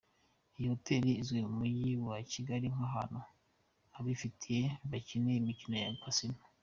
Iyi hotel izwi mu Mujyi wa Kigali nk’ahantu abifite bakinira imikino ya Casino.